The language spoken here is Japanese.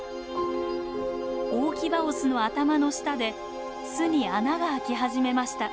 大キバオスの頭の下で巣に穴が開き始めました。